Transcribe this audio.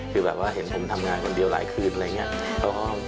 คือแบบว่าเห็นผมทำงานคนเดียวหลายคืนอะไรอย่างนี้